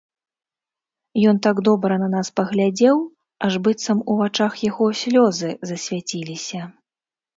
Ён так добра на нас паглядзеў, аж быццам у вачах яго слёзы засвяціліся.